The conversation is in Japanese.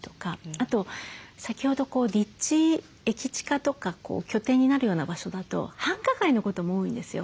あと先ほど立地駅近とか拠点になるような場所だと繁華街のことも多いんですよ。